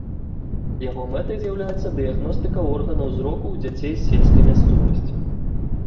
Яго мэтай з'яўляецца дыягностыка органаў зроку ў дзяцей з сельскай мясцовасці.